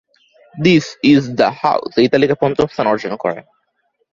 "This is the house" এই তালিকায় পঞ্চম স্থান অর্জন করে।